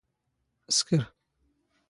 ⵙⴽⵔ.